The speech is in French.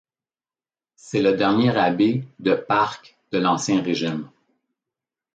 C'est le dernier abbé de Parc de l'ancien régime.